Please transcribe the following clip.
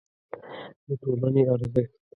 د ټولنې ارزښت